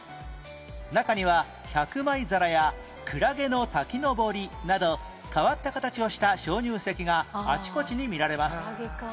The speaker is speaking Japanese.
中には百枚皿やクラゲの滝のぼりなど変わった形をした鍾乳石があちこちに見られます